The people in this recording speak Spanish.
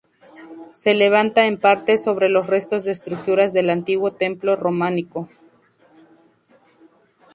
Se levanta, en parte, sobre los restos de estructuras del antiguo templo románico.